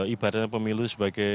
ibaratnya pemilu sebagai